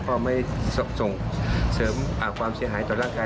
ก็ไม่ส่งเสริมความเสียหายต่อร่างกาย